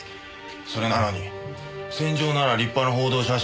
それなのに戦場なら立派な報道写真